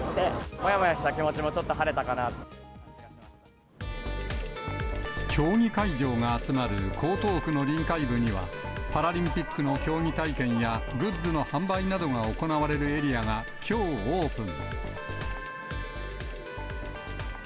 もやもやした気持ちもちょっ競技会場が集まる江東区の臨海部には、パラリンピックの競技体験や、グッズの販売などが行われるエリアが、きょうオープン。